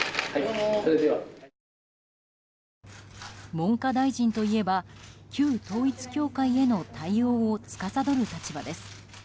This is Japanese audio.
文科大臣といえば旧統一教会への対応を司る立場です。